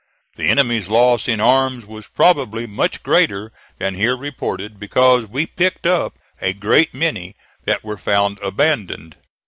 The enemy's loss in arms was probably much greater than here reported, because we picked up a great many that were found abandoned.